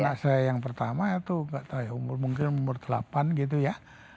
anak saya yang pertama itu umur mungkin umur delapan gitu ya